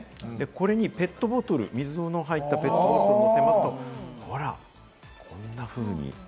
これにペットボトル、水の入ったペットボトルを乗せますと、こんなふうに。